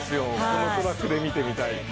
このトラックで見てみたい。